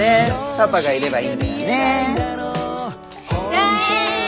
パパがいればいいんだよね？